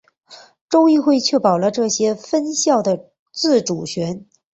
州议会确保了这些分校的自主权。